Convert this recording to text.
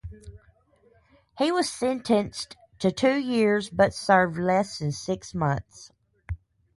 He was sentenced to two years but served less than six months.